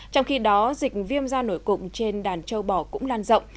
trong khi đó dịch viêm da nổi cục trên đàn châu bò cũng lan rộng